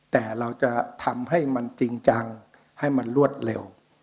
แต่เราจะทำให้มันจริงจังให้มันรวดเร็ว